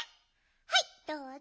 はいどうぞ！